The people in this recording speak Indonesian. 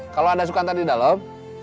kalau ada sukan tadi dalam